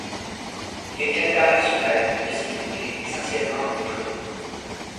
Bien qu'international, le site était essentiellement anglophone.